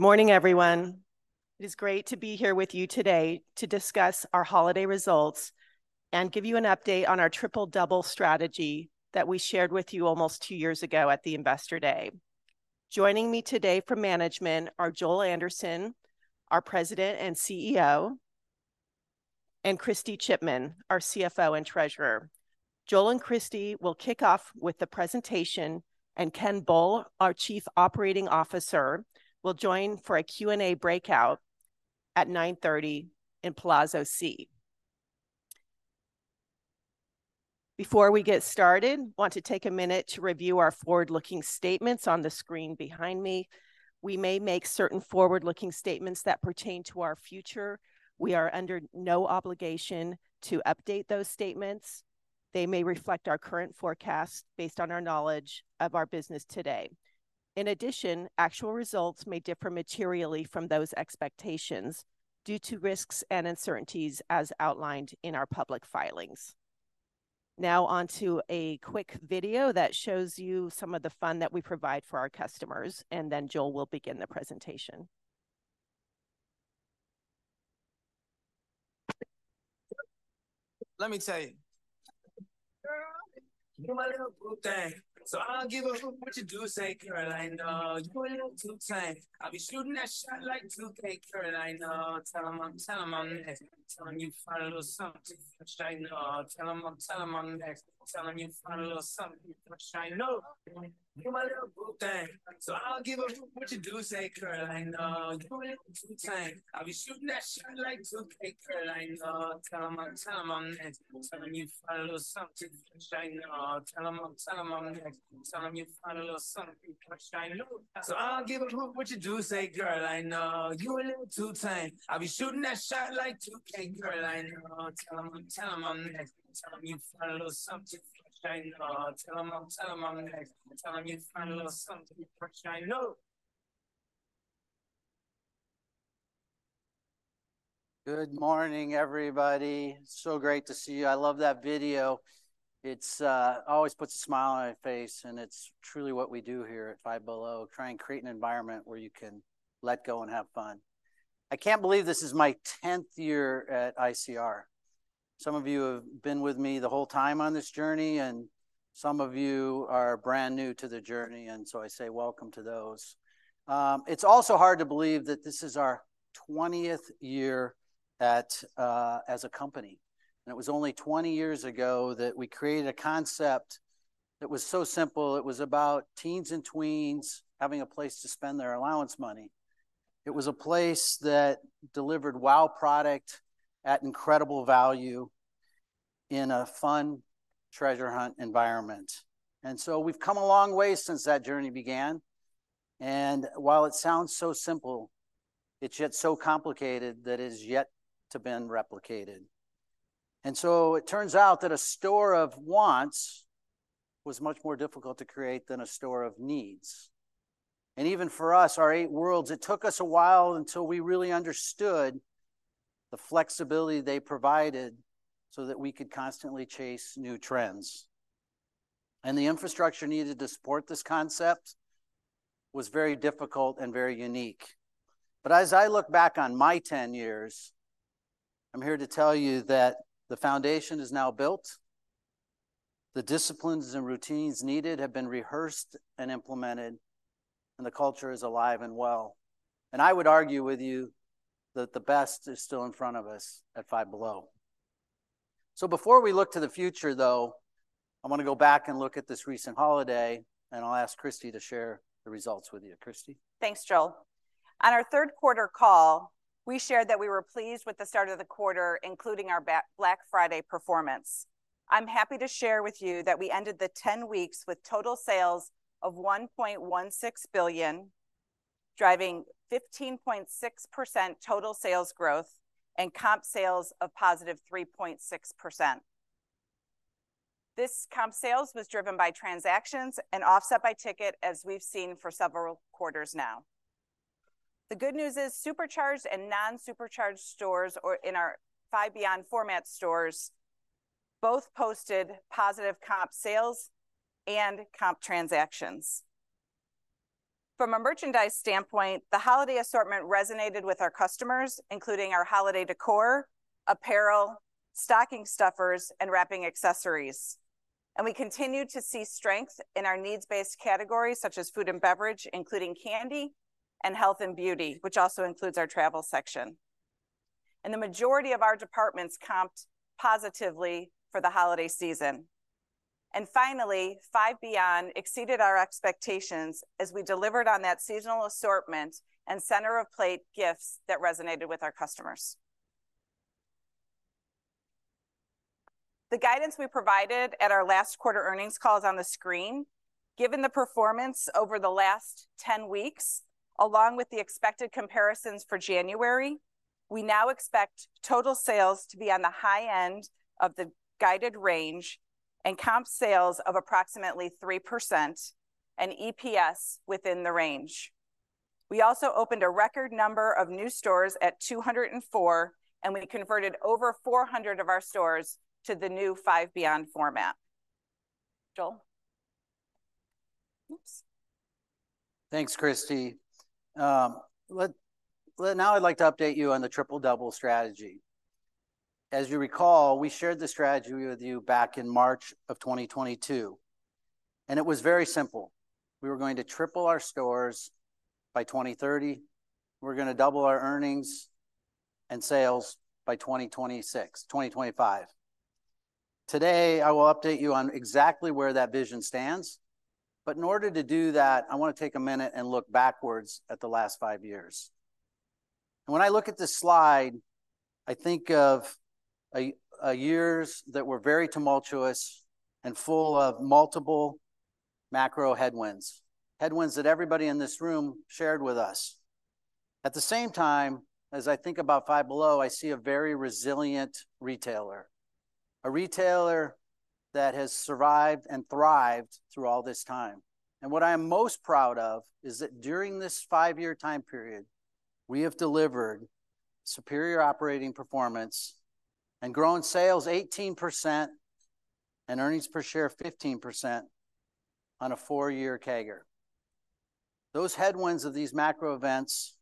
Good morning, everyone. It is great to be here with you today to discuss our holiday results and give you an update on our Triple-Double strategy that we shared with you almost two years ago at the Investor Day. Joining me today from management are Joel Anderson, our President and CEO, and Kristy Chipman, our CFO and Treasurer. Joel and Kristy will kick off with the presentation, and Ken Bull, our Chief Operating Officer, will join for a Q&A breakout at 9:30 A.M. in Palazzo C. Before we get started, want to take a minute to review our forward-looking statements on the screen behind me. We may make certain forward-looking statements that pertain to our future. We are under no obligation to update those statements. They may reflect our current forecast based on our knowledge of our business today. In addition, actual results may differ materially from those expectations due to risks and uncertainties as outlined in our public filings. Now, onto a quick video that shows you some of the fun that we provide for our customers, and then Joel will begin the presentation. Let me tell you. Girl, you my little boo thing. So I don't give a what you do say, girl, I know. You a little too tight. I'll be shooting that shot like 2K, girl, I know. Tell 'em I, tell 'em I'm next. Tell 'em you find a little something, which I know. Tell 'em I, tell 'em I'm next. Tell 'em you find a little something, which I know! You my little boo thing. So I don't give a what you do say, girl, I know. You a little too tight. I'll be shooting that shot like 2K, girl, I know. Tell 'em I, tell 'em I'm next. Tell 'em you find a little something, which I know. Tell 'em I, tell 'em I'm next. Tell 'em you find a little something, which I know. So I don't give a what you do say, girl, I know. You a little too tight. I'll be shooting that shot like 2K, girl, I know. Tell 'em I, tell 'em I'm next. Tell 'em you find a little something, which I know. Tell 'em I, tell 'em I'm next. Tell 'em you find a little something, which I know. Good morning, everybody. So great to see you. I love that video. It always puts a smile on my face, and it's truly what we do here at Five Below, try and create an environment where you can let go and have fun. I can't believe this is my tenth year at ICR. Some of you have been with me the whole time on this journey, and some of you are brand new to the journey, and so I say welcome to those. It's also hard to believe that this is our twentieth year, as a company. It was only 20 years ago that we created a concept that was so simple. It was about teens and tweens having a place to spend their allowance money. It was a place that delivered wow product at incredible value in a fun treasure hunt environment. We've come a long way since that journey began, and while it sounds so simple, it's yet so complicated that it's yet to be replicated. It turns out that a store of wants was much more difficult to create than a store of needs. Even for us, our eight worlds, it took us a while until we really understood the flexibility they provided so that we could constantly chase new trends. The infrastructure needed to support this concept was very difficult and very unique. But as I look back on my 10 years, I'm here to tell you that the foundation is now built, the disciplines and routines needed have been rehearsed and implemented, and the culture is alive and well. I would argue with you that the best is still in front of us at Five Below. Before we look to the future, though, I wanna go back and look at this recent holiday, and I'll ask Kristy to share the results with you. Kristy? Thanks, Joel. On our third quarter call, we shared that we were pleased with the start of the quarter, including our Black Friday performance. I'm happy to share with you that we ended the 10 weeks with total sales of $1.16 billion, driving 15.6% total sales growth and comp sales of +3.6%. This comp sales was driven by transactions and offset by ticket, as we've seen for several quarters now. The good news is Supercharged and non-Supercharged stores or in our Five Beyond format stores, both posted positive comp sales and comp transactions. From a merchandise standpoint, the holiday assortment resonated with our customers, including our holiday decor, apparel, stocking stuffers, and wrapping accessories. We continue to see strength in our needs-based categories, such as food and beverage, including candy, and health and beauty, which also includes our travel section. The majority of our departments comped positively for the holiday season. Finally, Five Beyond exceeded our expectations as we delivered on that seasonal assortment and center-of-plate gifts that resonated with our customers. The guidance we provided at our last quarter earnings call is on the screen. Given the performance over the last 10 weeks, along with the expected comparisons for January, we now expect total sales to be on the high end of the guided range and comp sales of approximately 3% and EPS within the range. We also opened a record number of new stores at 204, and we converted over 400 of our stores to the new Five Beyond format. Joel? Oops. Thanks, Kristy. Now I'd like to update you on the Triple-Double strategy. As you recall, we shared this strategy with you back in March of 2022, and it was very simple: We were going to triple our stores by 2030. We're gonna double our earnings and sales by 2026-2025. Today, I will update you on exactly where that vision stands, but in order to do that, I wanna take a minute and look backwards at the last five years. When I look at this slide, I think of years that were very tumultuous and full of multiple macro headwinds, headwinds that everybody in this room shared with us. At the same time, as I think about Five Below, I see a very resilient retailer, a retailer that has survived and thrived through all this time. What I am most proud of is that during this five-year time period, we have delivered superior operating performance and grown sales 18% and earnings per share 15% on a four-year CAGR. Those headwinds of these macro events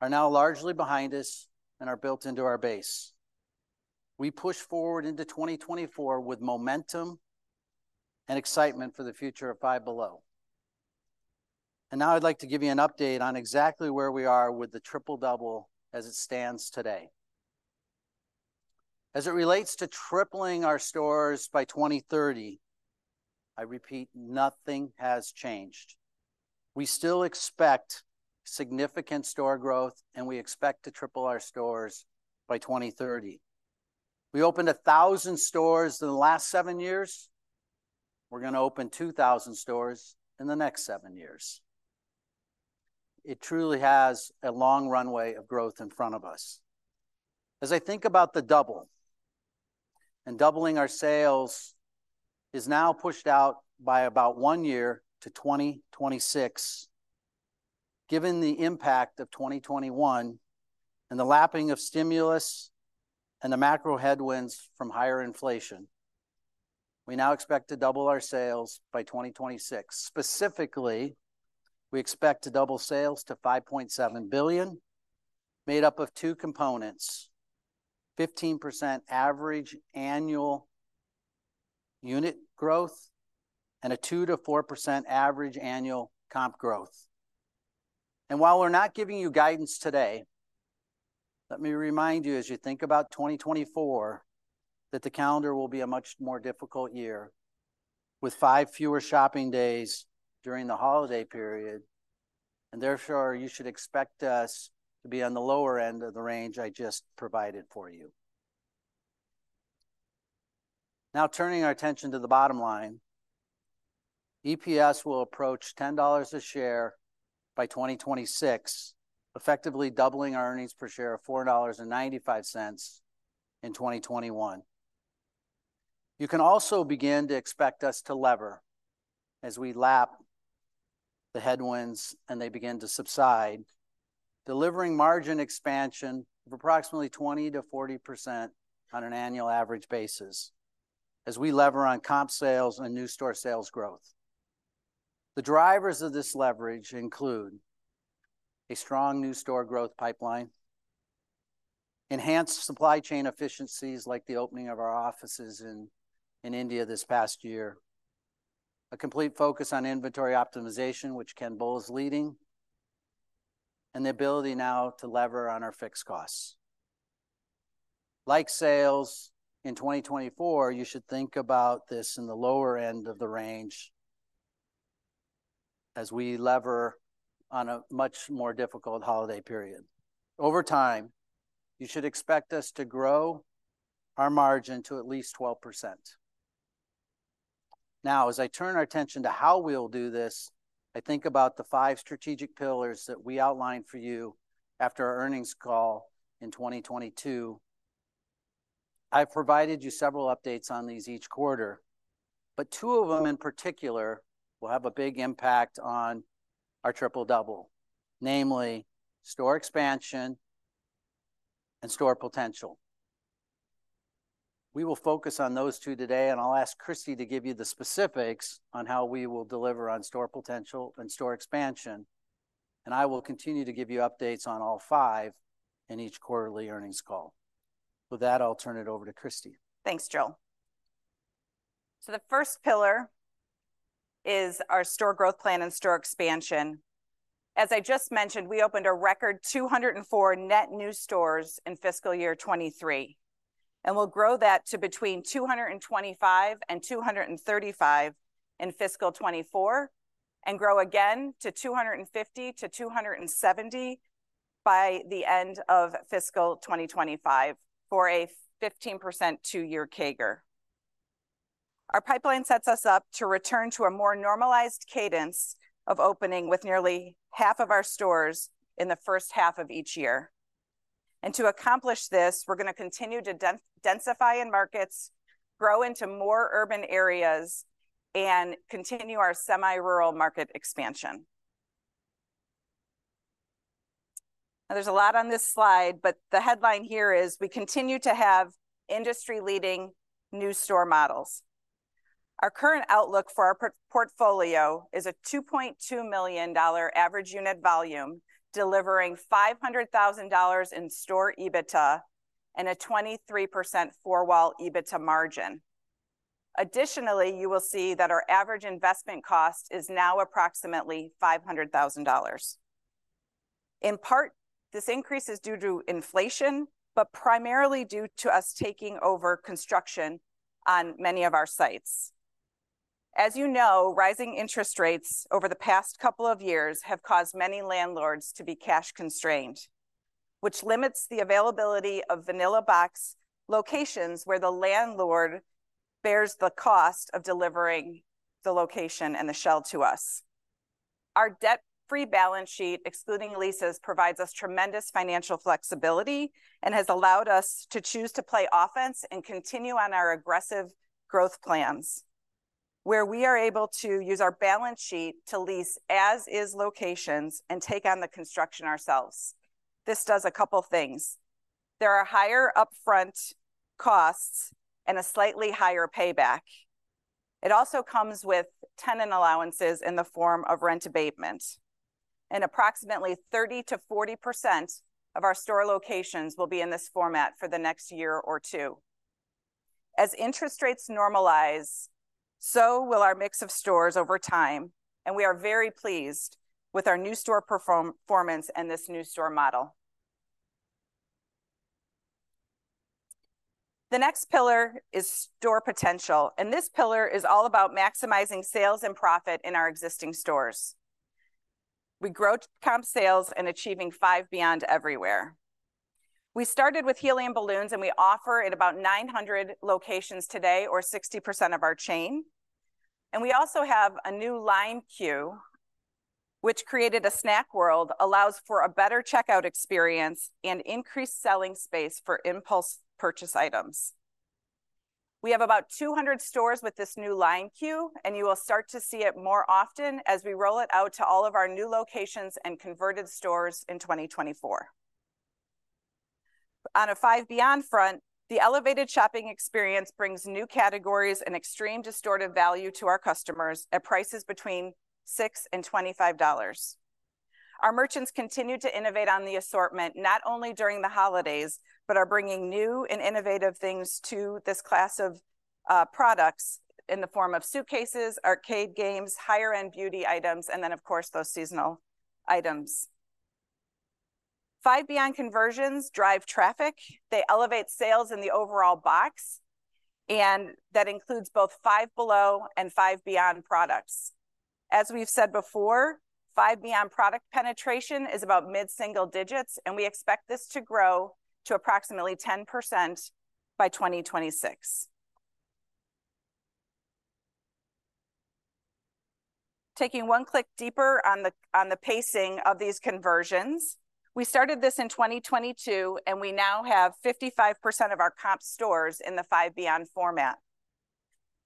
are now largely behind us and are built into our base. We push forward into 2024 with momentum and excitement for the future of Five Below. I'd like to give you an update on exactly where we are with the Triple-Double as it stands today. As it relates to tripling our stores by 2030, I repeat, nothing has changed. We still expect significant store growth, and we expect to triple our stores by 2030. We opened 1,000 stores in the last seven years. We're gonna open 2,000 stores in the next seven years. It truly has a long runway of growth in front of us. As I think about the double, and doubling our sales is now pushed out by about one year to 2026. Given the impact of 2021 and the lapping of stimulus and the macro headwinds from higher inflation, we now expect to double our sales by 2026. Specifically, we expect to double sales to $5.7 billion, made up of two components: 15% average annual unit growth and a 2%-4% average annual comp growth. While we're not giving you guidance today, let me remind you, as you think about 2024, that the calendar will be a much more difficult year, with five fewer shopping days during the holiday period, and therefore, you should expect us to be on the lower end of the range I just provided for you. Now, turning our attention to the bottom line, EPS will approach $10 a share by 2026, effectively doubling our earnings per share of $4.95 in 2021. You can also begin to expect us to lever as we lap the headwinds, and they begin to subside, delivering margin expansion of approximately 20%-40% on an annual average basis as we lever on comp sales and new store sales growth. The drivers of this leverage include a strong new store growth pipeline, enhanced supply chain efficiencies, like the opening of our offices in India this past year, a complete focus on inventory optimization, which Ken Bull is leading, and the ability now to lever on our fixed costs. Like sales, in 2024, you should think about this in the lower end of the range as we lever on a much more difficult holiday period. Over time, you should expect us to grow our margin to at least 12%. Now, as I turn our attention to how we'll do this, I think about the five strategic pillars that we outlined for you after our earnings call in 2022. I've provided you several updates on these each quarter, but two of them in particular will have a big impact on our Triple-Double, namely store expansion and store potential. We will focus on those two today, and I'll ask Kristy to give you the specifics on how we will deliver on store potential and store expansion, and I will continue to give you updates on all five in each quarterly earnings call. With that, I'll turn it over to Kristy. Thanks, Joel. So the first pillar is our store growth plan and store expansion. As I just mentioned, we opened a record 204 net new stores in fiscal year 2023, and we'll grow that to between 225-235 in fiscal 2024, and grow again to 250-270 by the end of fiscal 2025, for a 15% two-year CAGR. Our pipeline sets us up to return to a more normalized cadence of opening with nearly half of our stores in the first half of each year. To accomplish this, we're gonna continue to densify in markets, grow into more urban areas, and continue our semi-rural market expansion. There's a lot on this slide, but the headline here is: we continue to have industry-leading new store models. Our current outlook for our portfolio is a $2.2 million average unit volume, delivering $500,000 in store EBITDA and a 23% four-wall EBITDA margin. Additionally, you will see that our average investment cost is now approximately $500,000. In part, this increase is due to inflation, but primarily due to us taking over construction on many of our sites. As you know, rising interest rates over the past couple of years have caused many landlords to be cash-constrained, which limits the availability of vanilla box locations, where the landlord bears the cost of delivering the location and the shell to us. Our debt-free balance sheet, excluding leases, provides us tremendous financial flexibility and has allowed us to choose to play offense and continue on our aggressive growth plans, where we are able to use our balance sheet to lease as-is locations and take on the construction ourselves. This does a couple things. There are higher upfront costs and a slightly higher payback. It also comes with tenant allowances in the form of rent abatement, and approximately 30%-40% of our store locations will be in this format for the next year or two. As interest rates normalize, so will our mix of stores over time, and we are very pleased with our new store performance and this new store model. The next pillar is store potential, and this pillar is all about maximizing sales and profit in our existing stores. We grow comp sales and achieving Five Beyond everywhere. We started with helium balloons, and we offer at about 900 locations today, or 60% of our chain. We also have a new line queue, which created a Snack World, allows for a better checkout experience, and increased selling space for impulse purchase items. We have about 200 stores with this new line queue, and you will start to see it more often as we roll it out to all of our new locations and converted stores in 2024. On a Five Beyond front, the elevated shopping experience brings new categories and extreme distortive value to our customers at prices between $6-$25. Our merchants continue to innovate on the assortment, not only during the holidays, but are bringing new and innovative things to this class of products in the form of suitcases, arcade games, higher-end beauty items, and then, of course, those seasonal items. Five Beyond conversions drive traffic. They elevate sales in the overall box, and that includes both Five Below and Five Beyond products. As we've said before, Five Beyond product penetration is about mid-single digits, and we expect this to grow to approximately 10% by 2026. Taking one click deeper on the pacing of these conversions, we started this in 2022, and we now have 55% of our comp stores in the Five Beyond format.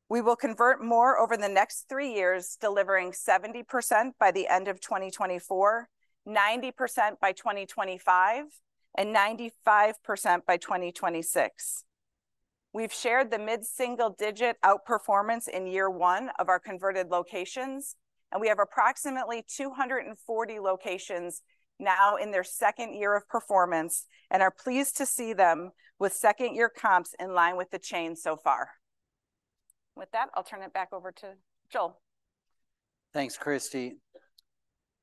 We will convert more over the next three years, delivering 70% by the end of 2024, 90% by 2025, and 95% by 2026. We've shared the mid-single-digit outperformance in year one of our converted locations, and we have approximately 240 locations now in their second year of performance and are pleased to see them with second-year comps in line with the chain so far. With that, I'll turn it back over to Joel. Thanks, Kristy.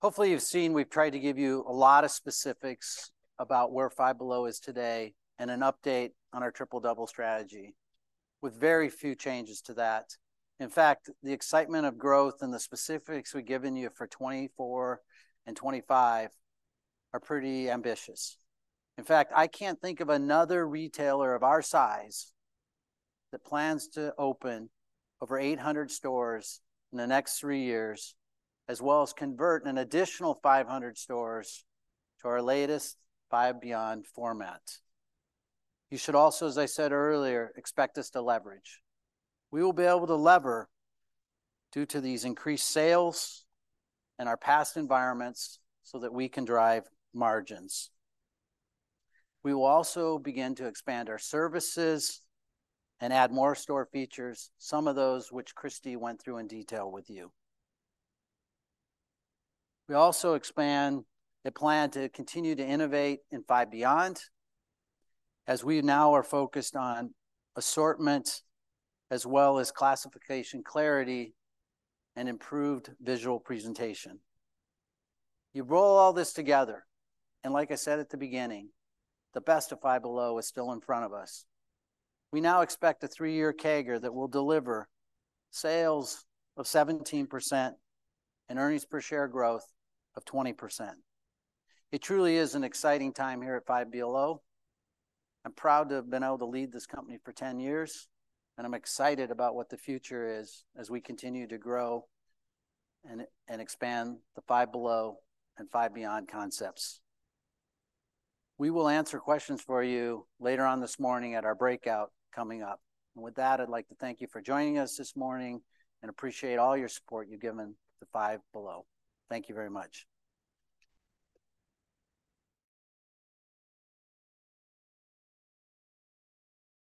Hopefully, you've seen we've tried to give you a lot of specifics about where Five Below is today and an update on our Triple-Double strategy, with very few changes to that. In fact, the excitement of growth and the specifics we've given you for 2024 and 2025 are pretty ambitious. In fact, I can't think of another retailer of our size that plans to open over 800 stores in the next three years, as well as convert an additional 500 stores to our latest Five Beyond format. You should also, as I said earlier, expect us to leverage. We will be able to leverage due to these increased sales and our past environments so that we can drive margins. We will also begin to expand our services and add more store features, some of those which Kristy went through in detail with you. We also expand the plan to continue to innovate in Five Beyond, as we now are focused on assortments as well as classification clarity and improved visual presentation. You roll all this together, and like I said at the beginning, the best of Five Below is still in front of us. We now expect a three-year CAGR that will deliver sales of 17% and earnings per share growth of 20%. It truly is an exciting time here at Five Below. I'm proud to have been able to lead this company for 10 years, and I'm excited about what the future is as we continue to grow and expand the Five Below and Five Beyond concepts. We will answer questions for you later on this morning at our breakout coming up. With that, I'd like to thank you for joining us this morning and appreciate all your support you've given to Five Below. Thank you very much.